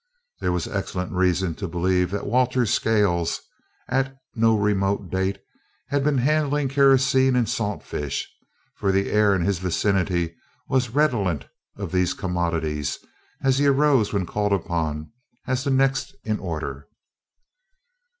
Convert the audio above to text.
There was excellent reason to believe that Walter Scales, at no remote date, had been handling kerosene and saltfish, for the air in his vicinity was redolent of these commodities as he arose when called upon as the next in order.